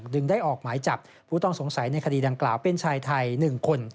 จึงได้ออกหมายจับผู้ต้องสงสัยในคดีดังกล่าวเป็นชายไทย๑คน